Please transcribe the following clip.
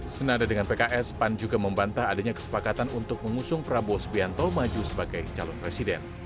senada dengan pks pan juga membantah adanya kesepakatan untuk mengusung prabowo sbianto maju sebagai calon presiden